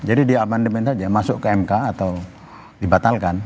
jadi di amandemen saja masuk ke mk atau dibatalkan